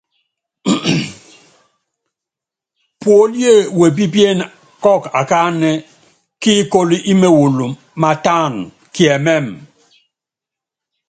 Puólíé wepípíene kɔɔkɔ akánɛ kíikóló ímewulu mátána, kiɛmɛ́mɛ.